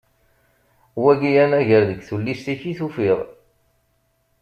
Wagi anagar deg Tullist-ik i t-ufiɣ.